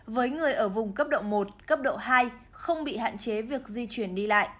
với người ở vùng cấp độ một cấp độ hai không bị hạn chế việc di chuyển đi lại